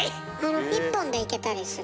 １本でいけたりする。